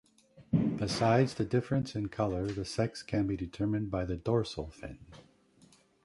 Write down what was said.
Besides the difference in color, the sex can be determined by the dorsal fin.